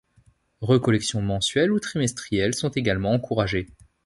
Recollections mensuelles ou trimestrielles sont également encouragées.